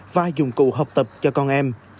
và dùng cụ học tập cho con em